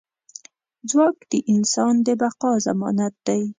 ځواک د انسان د بقا ضمانت دی.